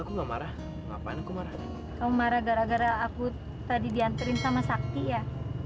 aku enggak marah ngapain aku marah kamu marah gara gara aku tadi dianterin sama sakti ya